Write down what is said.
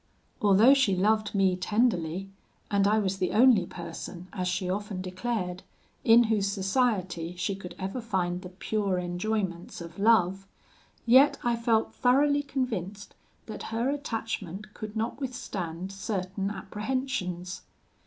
Although she loved me tenderly, and I was the only person, as she often declared, in whose society she could ever find the pure enjoyments of love, yet I felt thoroughly convinced that her attachment could not withstand certain apprehensions.